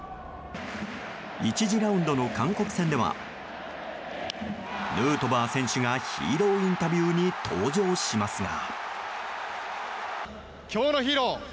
１次ラウンドの韓国戦ではヌートバー選手がヒーローインタビューに登場しますが。